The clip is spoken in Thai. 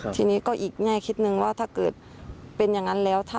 ทีนี้ก็อีกแง่คิดนึงว่าถ้าเกิดเป็นอย่างนั้นแล้ว